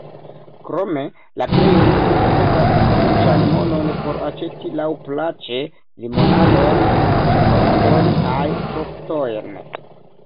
Krome la plej multo posedas sufiĉan monon por aĉeti laŭplaĉe limonadon, ĉokoladon kaj fruktojn.